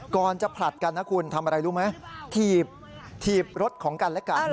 ก่อนจะผลัดกันนะคุณทำอะไรรู้ไหมถีบรถของกันและกัน